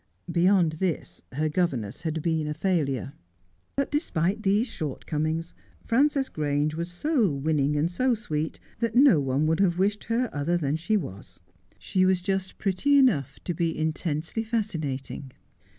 Beyond this, her governess had been a failure. But despite these shortcomings, Frances Grange was so winning and so sweet, that no one would have wished her other than she was. She was just pretty enough to be intensely fasci nating.